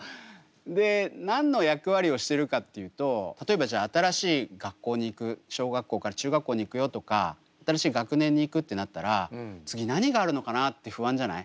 で何の役割をしてるかっていうと例えばじゃあ新しい学校に行く小学校から中学校に行くよとか新しい学年に行くってなったら次何があるのかなって不安じゃない？